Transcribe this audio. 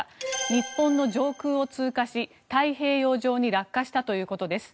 日本の上空を通過し、太平洋上に落下したということです。